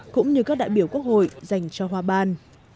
cũng như các đại biểu quốc hội dành cho hoa ban